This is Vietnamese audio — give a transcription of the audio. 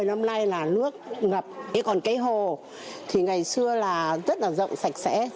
một mươi năm nay là nước ngập còn cái hồ thì ngày xưa là rất là rộng sạch sẽ